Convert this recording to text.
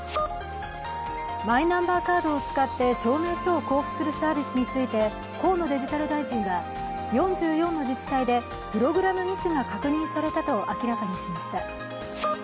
マイナンバーカードを使って証明書を交付するサービスについて河野デジタル大臣は４４の自治体でプログラムミスが確認されたと明らかにしました。